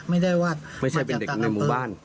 ไม่ได้ว่าไม่ใช่เป็นเด็กในหมู่บ้าน